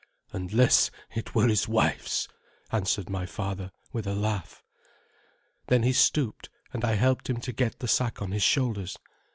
"Unless it were his wife's," answered my father, with a laugh. Then he stooped, and I helped him to get the sack on his shoulders.